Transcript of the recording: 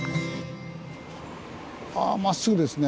あまっすぐですね。